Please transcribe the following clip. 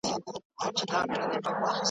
ګدایان ورته راتلل له هره ځایه .